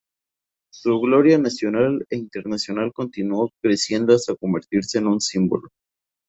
Su gloria nacional e internacional continuó creciendo hasta convertirse en un símbolo.